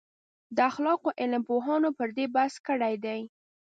د اخلاقو علم پوهانو پر دې بحث کړی دی.